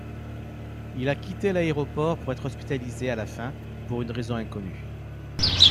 Il a quitté l'aéroport pour être hospitalisé à la fin pour une raison inconnue.